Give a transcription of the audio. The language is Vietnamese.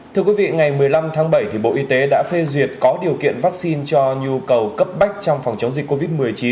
thưa quý vị ngày một mươi năm tháng bảy bộ y tế đã phê duyệt có điều kiện vaccine cho nhu cầu cấp bách trong phòng chống dịch covid một mươi chín